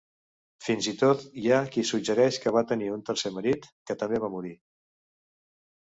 Fins i tot hi ha qui suggereix que va tenir un tercer marit, que també va morir.